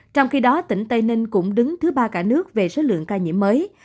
trong khi đó tỉnh tây ninh cũng đứng thứ ba cả nước về số lượng ca nhiễm mới